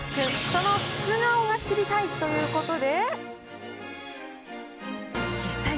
その素顔が知りたいということで。